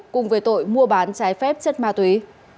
cùng về tội mua bán trái phép chất ma túy